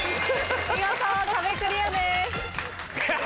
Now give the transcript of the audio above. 見事壁クリアです。